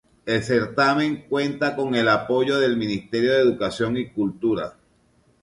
El certamen cuenta con el apoyo del Ministerio de Educación y Cultura.